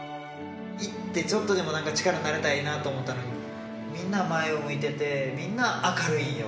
行って、ちょっとでもなんか力になれたらいいなと思ったのに、みんな前を向いてて、みんな明るいんよ。